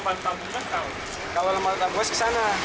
kalau lemah lembar gue kesana